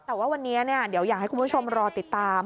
แต่ว่าวันนี้เดี๋ยวอยากให้คุณผู้ชมรอติดตาม